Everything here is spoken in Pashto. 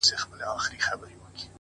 وربــاندي نــه وركوم ځــان مــلــگــرو،